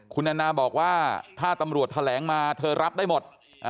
คุณแอนนาบอกว่าถ้าตำรวจแถลงมาเธอรับได้หมด